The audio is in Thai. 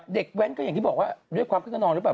แว้นก็อย่างที่บอกว่าด้วยความคึกขนองหรือเปล่า